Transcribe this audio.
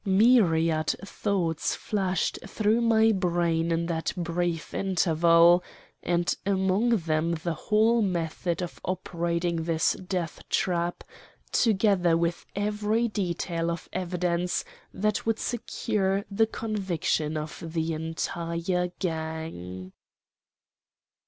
"Myriad thoughts flashed through my brain in that brief interval, and among them the whole method of operating this death trap, together with every detail of evidence that would secure the conviction of the entire gang."